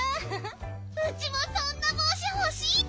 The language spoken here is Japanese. ウチもそんなぼうしほしいッピ！